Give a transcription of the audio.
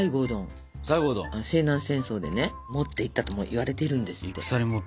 西南戦争でね持っていったともいわれてるんですって。